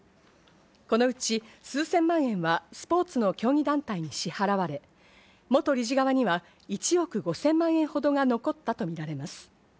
このうち数千万円はスポーツの競技団体に支払われ、元理事側には１億５０００万円ほどが残ったとみられます。